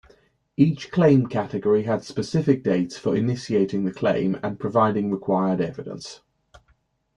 Each claim category had specific dates for initiating the claim and providing required evidence.